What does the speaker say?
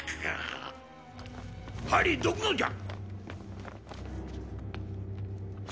ハリーどくのじゃ！